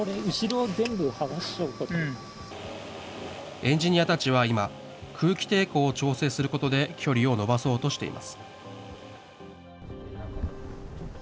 エンジニアたちは今、空気抵抗を調整することで距離を伸ばそうとしています。